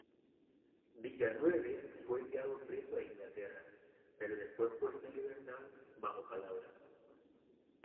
Villeneuve fue enviado preso a Inglaterra, pero fue puesto en libertad bajo palabra.